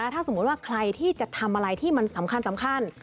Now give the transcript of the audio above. ถ้าสมมุติว่าใครที่จะทำอะไรที่มันสำคัญ